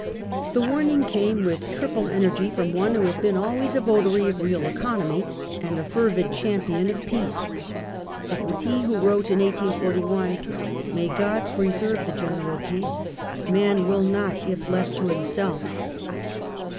The warning came with triple energy from one who had been always a votary of real economy, and a fervid champion of peace. It was he who wrote in 1841, " May God pre serve the general peace. Man will not if left to himself."